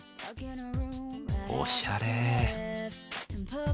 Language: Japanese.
おしゃれ。